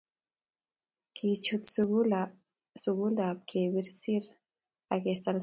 kii chut sugul ab ke sir ak kesal rangik